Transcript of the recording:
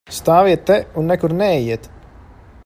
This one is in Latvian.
Stāviet te un nekur neejiet!